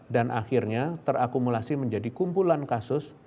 dan akhirnya terakumulasi menjadi kumpulan kasus